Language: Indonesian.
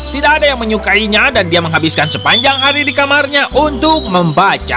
tidak ada yang menyukainya dan dia menghabiskan sepanjang hari di kamarnya untuk membaca